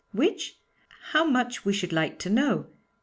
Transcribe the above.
Which? How much we should like to know!